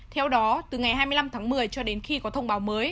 theo đó từ ngày hai mươi năm tháng một mươi cho đến khi có thông báo mới